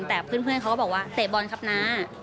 แต่เพื่อนเขาก็บอกว่าเตะบอลครับน้า